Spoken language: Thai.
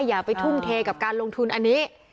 อย่าไปทุ่มเทกับการลงทุนอันนี้